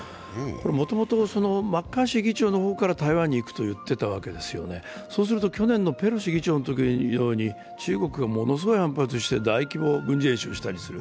もともとマッカーシー議長の方から台湾にいくといっていたわけですねそうすると、去年のペロシ議長のときのように中国がものすごく反発して大規模軍事演習したりする。